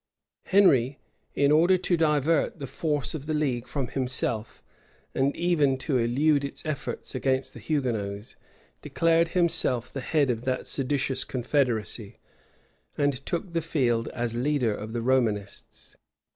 {1577.} Henry, in order to divert the force of the league from himself, and even to elude its efforts against the Hugonots, declared himself the head of that seditious confederacy, and took the field as leader of the Romanists.